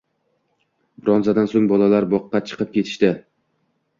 Bnrozdan so'ng bolalar boqqa chiqib ketishdi.